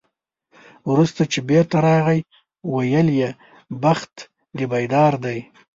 وروسته چې بېرته راغی، ویل یې بخت دې بیدار دی.